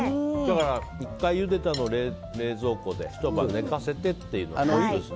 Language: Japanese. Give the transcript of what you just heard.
１回ゆでたのを冷蔵庫でひと晩寝かせてというのがいいんですね。